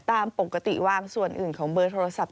ตามปกติวางส่วนอื่นของเบอร์โทรศัพท์